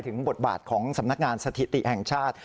บทบาทของสำนักงานสถิติแห่งชาติ